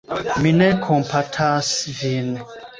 Mi ne kompatas vin.